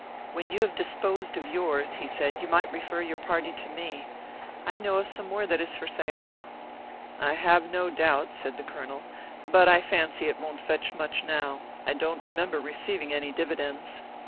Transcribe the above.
"When you have disposed of yours," he said, "you might refer your party to me. I know of some more that is for sale." "I have no doubt," said the Colonel. "But I fancy it won't fetch much now. I don't remember receiving any dividends."